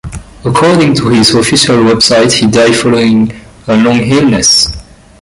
According to his official website, he died following a long illness.